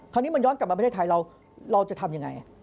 คราวนี้มันย้อนกลับมาประเทศไทยเราจะทำยังไง